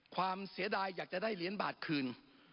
เสียดายอยากจะได้เหรียญบาทคืน